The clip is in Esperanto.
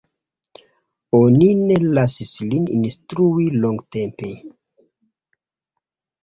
Oni ne lasis lin instrui longtempe.